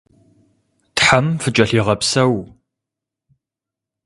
Тхьэм фыкӏэлъигъэпсэу.